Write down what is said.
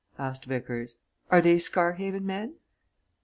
asked Vickers. "Are they Scarhaven men?"